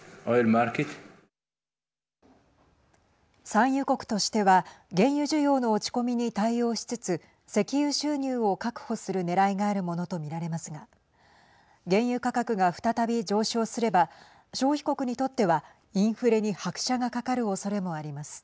産油国としては原油需要の落ち込みに対応しつつ石油収入を確保するねらいがあるものと見られますが原油価格が再び上昇すれば消費国にとってはインフレに拍車がかかるおそれもあります。